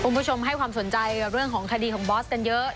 คุณผู้ชมให้ความสนใจกับเรื่องของคดีของบอสกันเยอะ